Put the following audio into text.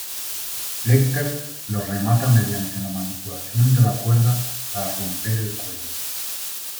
Lecter lo remata mediante la manipulación de la cuerda para romper el cuello.